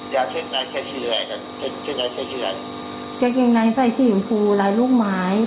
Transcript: ใช้กางไนท์าชีพอะไรกันใช้กางไนท์ใส่สีอยูฟูรายลูกไม้